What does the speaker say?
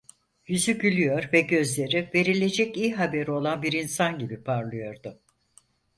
Yüzü gülüyor ve gözleri, verilecek iyi haberi olan bir insan gibi parlıyordu.